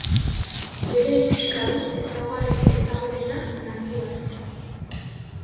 Bere musika du ezaugarri ezagunena nazioartean.